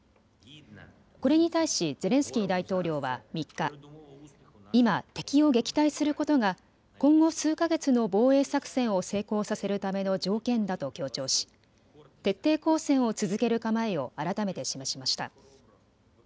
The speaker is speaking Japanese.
これに対しゼレンスキー大統領は３日、今、敵を撃退することが今後、数か月の防衛作戦を成功させるための条件だと強調し徹底抗戦を続ける構えを改めて示しました。